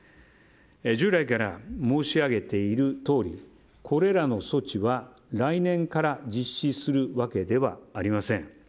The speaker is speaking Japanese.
従来から申し上げているとおりこれらの措置は来年から実施するわけではありません。